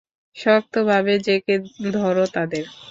শক্তভাবে জেঁকে ধরো তাদের।